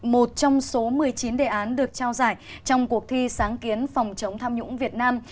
một trong số một mươi chín đề án được trao giải trong cuộc thi sáng kiến phòng chống tham nhũng việt nam